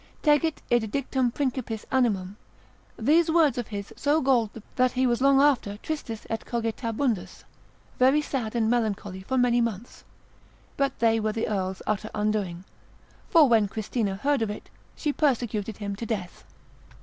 Tetigit id dictum Principis animum, these words of his so galled the prince, that he was long after tristis et cogitabundus, very sad and melancholy for many months; but they were the earl's utter undoing: for when Christina heard of it, she persecuted him to death.